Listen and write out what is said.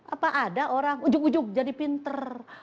apa ada orang ujung ujung jadi pinter